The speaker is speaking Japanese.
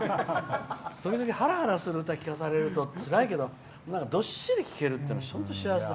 時々、ハラハラする歌聴かされるとつらいけどどっしり聴けるって本当幸せ。